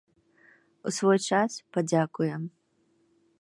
У свой час падзякуем!